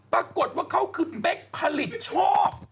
ปรากฏว่าเขาคือเป๊กผลิตโชค